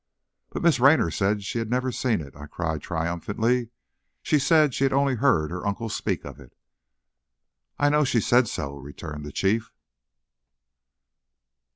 "But Miss Raynor said she had never seen it," I cried, triumphantly. "She said she had only heard her uncle speak of it!" "I know she said so," returned the Chief.